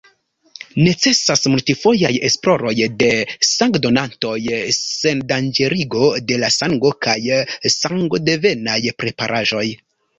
Necesas multfojaj esploroj de sangdonantoj, sendanĝerigo de la sango kaj sangodevenaj preparaĵoj.